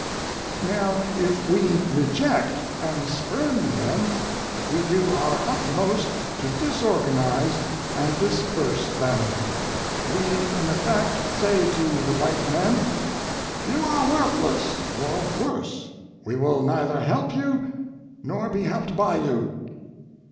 Now, if we reject, and spurn them, we do our utmost to disorganize and disperse them. We in effect say to the white men "You are worthless, or worse we will neither help you, nor be helped by you."